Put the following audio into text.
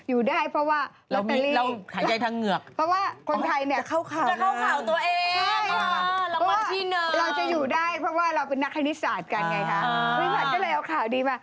ไม่อันนั่นเป็นเรื่องของท่านนี่เราอ่านเรื่องของเราว่า